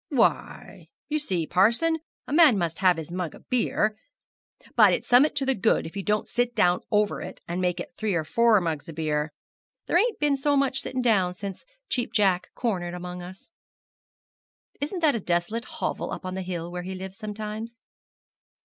'Why, you see, parson, a man must have his mug o' beer; but it's summot to the good if he don't sit down over it and make it three or four mugs o' beer. There ain't been so much sitting down since Cheap Jack comed among us.' 'Isn't that a desolate hovel up on the hill where he lives sometimes?'